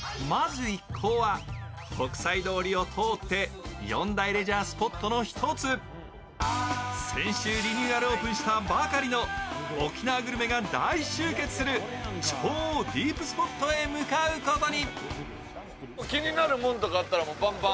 国際通りを通って４大レジャースポットのひとつ、先週リニューアルオープンしたばかりの沖縄グルメが大集結する超ディープスポットへ向かうことに。